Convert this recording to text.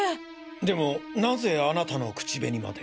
でもなぜあなたの口紅まで？